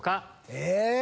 え？